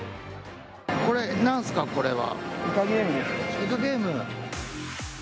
これ、なんですか、これは。